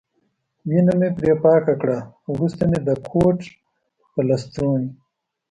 وینه مې پرې پاکه کړل، وروسته مې د کوټ په لستوڼي.